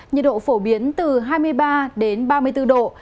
nhiệt độ phổ biến từ hai mươi ba ba mươi bốn độ